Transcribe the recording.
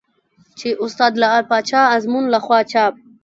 چې استاد لعل پاچا ازمون له خوا چاپ